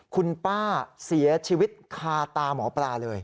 คุณป้าเสียชีวิตคาตาหมอปลาเลย